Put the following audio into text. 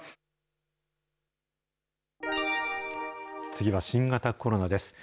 次は新型コロナです。